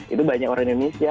itu banyak orang indonesia